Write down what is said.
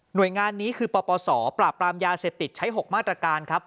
โดยงานนี้คือปปศปราบปรามยาเสพติดใช้๖มาตรการครับ